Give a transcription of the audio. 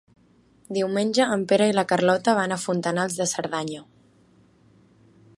Diumenge en Pere i na Carlota van a Fontanals de Cerdanya.